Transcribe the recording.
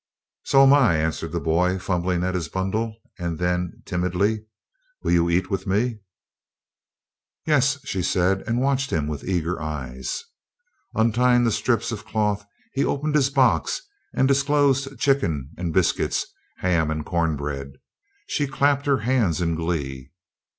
"So'm I," answered the boy, fumbling at his bundle; and then, timidly: "Will you eat with me?" "Yes," she said, and watched him with eager eyes. Untying the strips of cloth, he opened his box, and disclosed chicken and biscuits, ham and corn bread. She clapped her hands in glee.